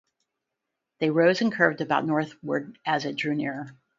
They rose and curved about northward as it drew nearer.